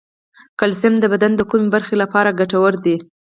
کلسیم د بدن د کومې برخې لپاره ګټور دی